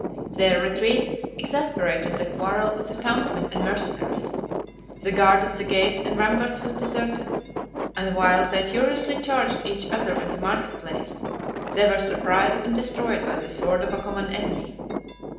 Their retreat exasperated the quarrel of the townsmen and mercenaries; the guard of the gates and ramparts was deserted; and while they furiously charged each other in the market place, they were surprised and destroyed by the sword of a common enemy.